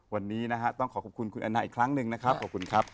วันนี้นะฮะต้องขอขอบคุณคุณแอนนาอีกครั้งหนึ่งนะครับขอบคุณครับ